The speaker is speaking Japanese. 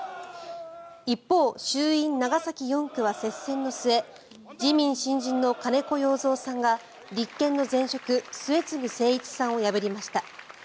一方、衆院長崎４区は接戦の末自民新人の金子容三さんが立憲の前職、末次精一さんを破りました。